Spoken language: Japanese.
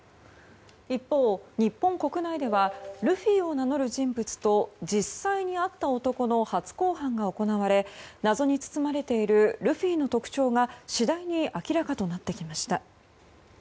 一方、日本国内ではルフィを名乗る人物と実際に会った男の初公判が行われ謎に包まれているルフィの特徴が次第に明らかとなってきました。